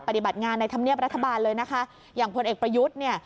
ปฏิบัติงานในธรรมเนียบรัฐบาลเลยนะคะอย่างพลเอกประยุทธ์เนี่ย